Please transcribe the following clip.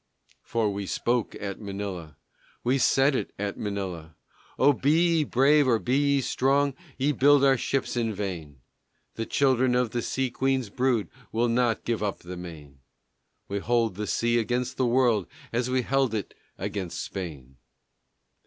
For we spoke at Manila, We said it at Manila, Oh be ye brave, or be ye strong, Ye build your ships in vain; The children of the sea queen's brood Will not give up the main; We hold the sea against the world As we held it against Spain.